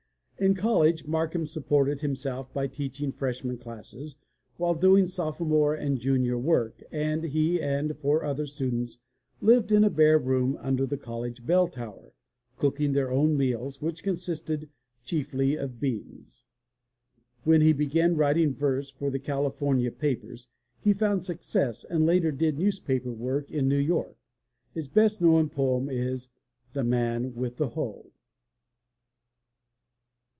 In college Markham supported him self by teaching freshman classes while doing sophomore and junior work, and he and four other students lived in a bare room under the college bell tower, cooking their own meals, which consisted chiefly of beans! When he began writing verse for the California papers he found success and later did newspaper work in New York. His best known poem is The Man with the Hoe.